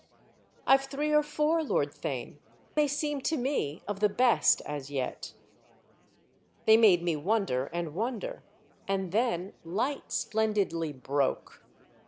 "I've three or four, Lord Theign; they seem to me of the best—as yet. They made me wonder and wonder—and then light splendidly broke."